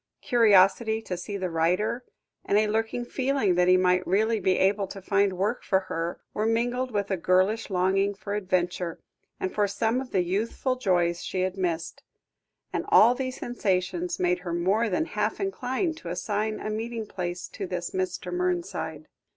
Curiosity to see the writer, and a lurking feeling that he might really be able to find work for her, were mingled with a girlish longing for adventure, and for some of the youthful joys she had missed; and all these sensations made her more than half inclined to assign a meeting place to this Mr. Mernside.